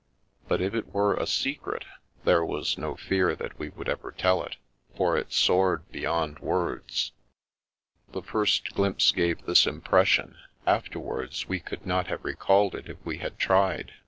But if it were a secret, there was no fear that we would ever tell it, for it soared beyond words. The first glimpse gave this impression; after wards we could not have recalled it if we had tried.